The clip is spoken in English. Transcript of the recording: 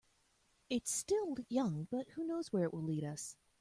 It's still young, but who knows where it will lead us.